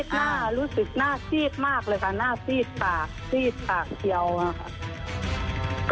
หน้ารู้สึกหน้าซีดมากเลยค่ะหน้าซีดปากซีดปากเจียวอะค่ะ